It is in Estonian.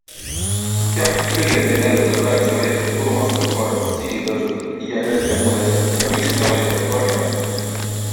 Jah, kõigile käib närvidele praeguse valitsuse tulumaksureform, aktsiisitõusud, IRL ja muud asjad, aga miks ei saa valida Reformierakonda?